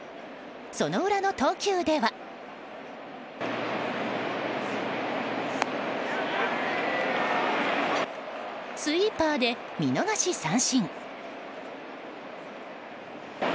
その裏の投球ではスイーパーで見逃し三振！